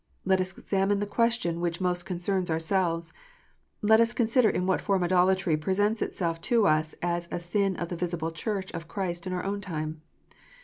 Let us examine the question which most concerns ourselves. Let us consider in what form idolatry presents itself to us as a sin of the visible Church of Christ in our own time.